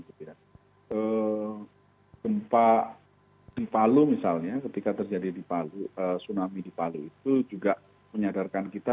gempa di palu misalnya ketika terjadi tsunami di palu itu juga menyadarkan kita